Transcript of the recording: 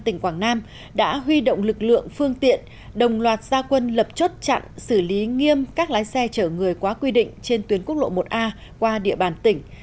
tỉnh quảng nam đã huy động lực lượng phương tiện đồng loạt gia quân lập chốt chặn xử lý nghiêm các lái xe chở người quá quy định trên tuyến quốc lộ một a qua địa bàn tỉnh